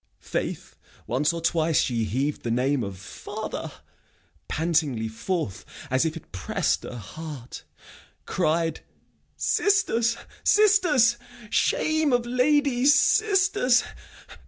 Faith, once or twice she heav'd the name of father Pantingly forth, as if it press'd her heart; Cried 'Sisters, sisters! Shame of ladies! Sisters!